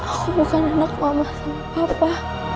aku bukan anak mama sama papa